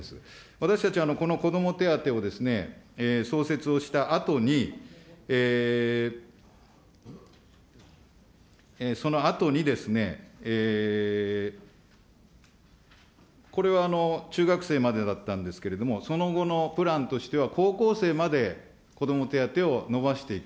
私たち、この子ども手当を創設をしたあとに、そのあとにですね、これは中学生までだったんですけど、その後のプランとしては、高校生まで子ども手当を伸ばしていく。